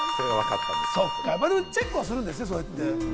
そっか、でもチェックはするんですね。